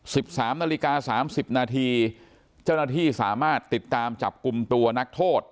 สิบสามนาฬิกาสามสิบนาทีเจ้าหน้าที่สามารถติดตามจับกลุ่มตัวนักโทษ